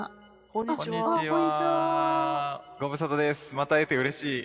また会えてうれしい。